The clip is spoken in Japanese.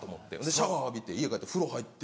シャワー浴びて家帰って風呂入って。